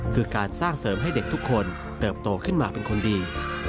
คือการสร้างเสริมให้เด็กทุกคนเติบโตขึ้นมาเป็นคนดี